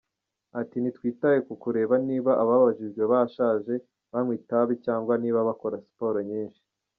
Ati “Ntitwitaye ku kureba niba ababajijwe bashaje, banywa itabi cyangwa niba bakora siporo nyinshi.